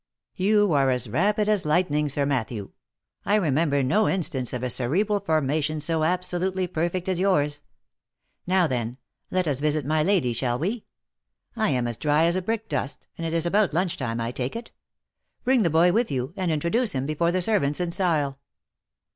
"You are as rapid as lightning, Sir Matthew ! I remember no in stance of a cerebral formation so absolutely perfect as yours. Now then, let us visit my lady, shall we ? I am as dry as brickdust, and it is about lunch time I take it. Bring the boy with you, and introduce him before the servants in style."